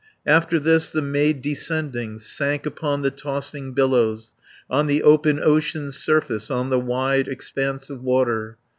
After this the maid descending, Sank upon the tossing billows, On the open ocean's surface, On the wide expanse of water.